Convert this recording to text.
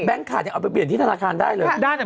ขาดยังเอาไปเปลี่ยนที่ธนาคารได้เลย